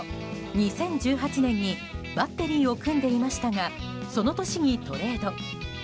２０１８年にバッテリーを組んでいましたがその年にトレード。